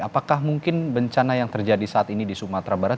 apakah mungkin bencana yang terjadi saat ini di sumatera barat